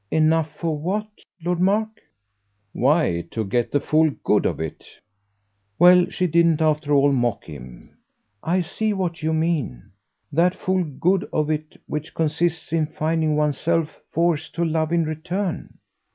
"Enough for what, Lord Mark?" "Why to get the full good of it." Well, she didn't after all mock at him. "I see what you mean. That full good of it which consists in finding one's self forced to love in return."